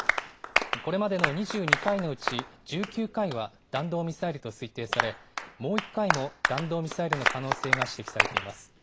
これまでの２２回のうち、１９回は弾道ミサイルと推定され、もう１回も弾道ミサイルの可能性が指摘されています。